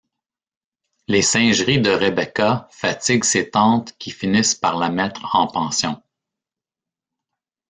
Les singeries de Rebecca fatiguent ses tantes qui finissent par la mettre en pension.